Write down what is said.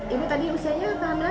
ibu tadi usianya